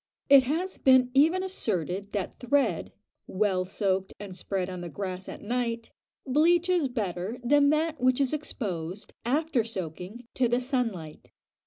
It has been even asserted that thread, well soaked and spread on the grass at night, bleaches better than that which is exposed, after soaking, to the sun light.